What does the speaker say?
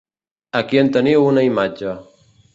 Aquí en teniu una imatge.